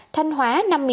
thanh hóa năm mươi bảy